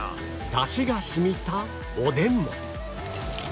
出汁が染みたおでんも